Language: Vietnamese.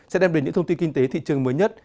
sẽ đem đến những thông tin kinh tế thị trường mới nhất